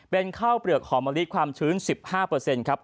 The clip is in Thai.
เป็นข้าวเปลือกหอมมะลิความชื้น๑๕ครับ